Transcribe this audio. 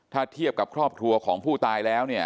ถ้าเทียบกับครอบครัวของผู้ตายแล้วเนี่ย